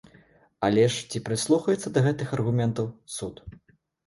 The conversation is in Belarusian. Але ж ці прыслухаецца да гэтых аргументаў суд?